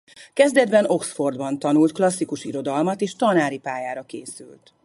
Kezdetben Oxfordban tanult klasszikus irodalmat és tanári pályára készült.